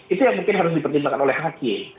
itu yang mungkin harus dipertimbangkan oleh hakim